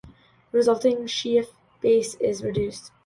The resulting Schiff base is reduced.